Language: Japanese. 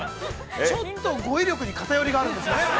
◆ちょっと語彙力に偏りがあるんですね。